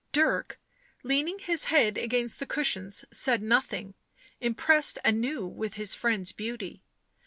Dirk, leaning his head against the cushions, said nothing, impressed anew with his friend's beauty.